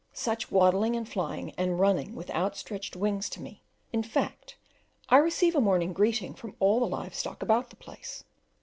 Such waddling and flying and running with outstretched wings to me: in fact, I receive a morning greeting from all the live stock about the place.